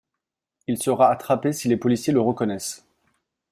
Il sera attrapé si les policiers le reconnaissent.